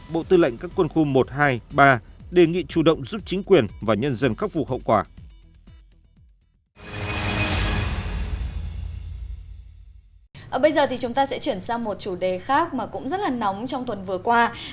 bộ tư lệnh các quân khu một trăm hai mươi ba đề nghị chủ động giúp chính quyền và nhân dân khắc phục hậu quả